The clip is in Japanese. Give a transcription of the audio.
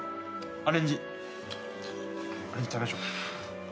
アレンジ食べましょう。